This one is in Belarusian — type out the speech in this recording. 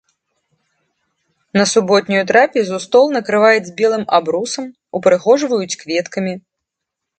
На суботнюю трапезу стол накрываюць белым абрусам, упрыгожваюць кветкамі.